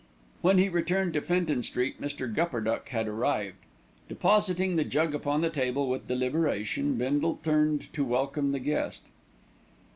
When he returned to Fenton Street, Mr. Gupperduck had arrived. Depositing the jug upon the table with deliberation, Bindle turned to welcome the guest.